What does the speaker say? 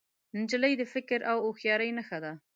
نجلۍ د فکر او هوښیارۍ نښه ده.